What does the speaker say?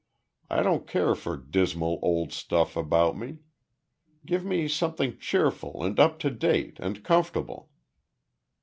I don't care for dismal old stuff about me. Give me something cheerful and up to date and comfortable.